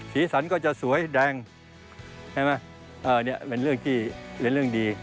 สีสันก็จะสวยแดงนี่เป็นเรื่องที่เรียนเรื่องดี